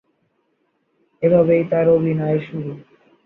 এভাবেই তার অভিনয়ের শুরু।